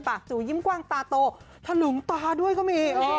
จู่ยิ้มกว้างตาโตทะลุงตาด้วยก็มี